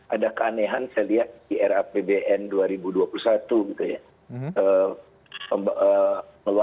ada keanehan saya lihat di rapbn dua ribu dua puluh satu gitu ya